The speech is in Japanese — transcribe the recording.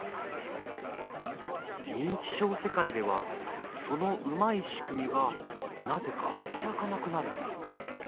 認知症世界ではそのうまい仕組みがなぜか働かなくなるんだ。